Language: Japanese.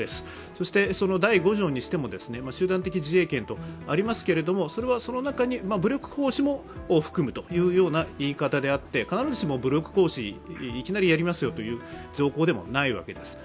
そして、第５条にしても、集団的自衛権とありますけれども、その中に武力行使も含むという言い方であって必ずしも武力行使、いきなりやりますよという状況でもないわけです。